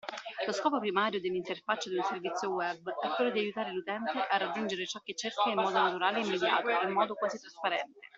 Lo scopo primario dell’interfaccia di un servizio web è quello di aiutare l’utente a raggiungere ciò che cerca in modo naturale e immediato, in modo quasi trasparente.